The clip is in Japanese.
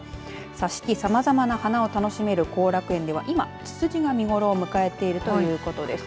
さあ、四季さまざまな花を楽しめる後楽園では今、ツツジが見頃を迎えているということです。